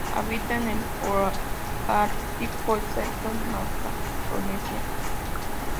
Habita en el holártico, excepto Macaronesia.